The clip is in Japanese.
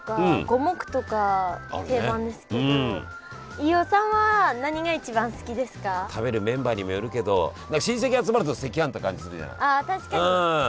飯尾さんは食べるメンバーにもよるけど親戚集まると赤飯って感じするじゃない？